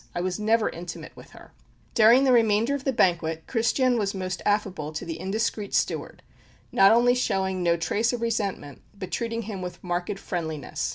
I was never intimate with her." During the remainder of the banquet Christian was most affable to the indiscreet steward, not only showing no trace of resentment, but treating him with marked friendliness.